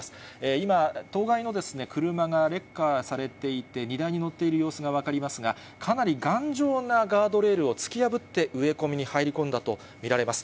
今、当該の車がレッカーされていて、荷台に乗っている様子が分かりますが、かなり頑丈なガードレールを突き破って植え込みに入り込んだと見られます。